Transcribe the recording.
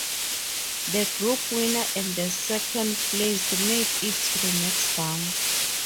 The group winner and the second placed made it to the next round.